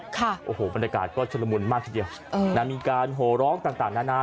ค่ะโอ้โหบรรยากาศก็ชุดละมุนมากทีเดียวเออนะมีการโหร้องต่างต่างนานา